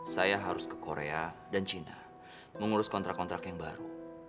saya harus ke korea dan cina mengurus kontrak kontrak yang baru